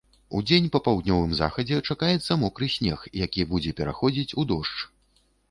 Удзень па паўднёвым захадзе чакаецца мокры снег, які будзе пераходзіць у дождж.